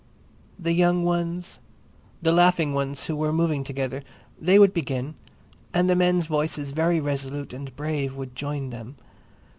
The young ones, the laughing ones who were moving together, they would begin, and the men's voices, very resolute and brave, would join them.